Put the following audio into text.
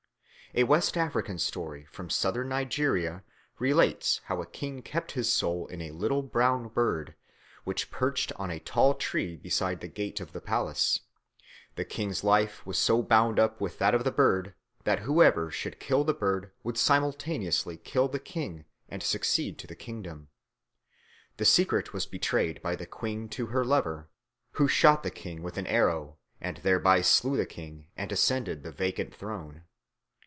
A West African story from Southern Nigeria relates how a king kept his soul in a little brown bird, which perched on a tall tree beside the gate of the palace. The king's life was so bound up with that of the bird that whoever should kill the bird would simultaneously kill the king and succeed to the kingdom. The secret was betrayed by the queen to her lover, who shot the bird with an arrow and thereby slew the king and ascended the vacant throne.